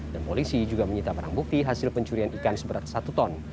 dan polisi juga menyita barang bukti hasil pencurian ikan seberat satu ton